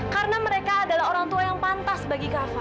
karena mereka adalah orang tua yang pantas bagi kava